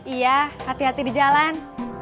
iya hati hati di jalan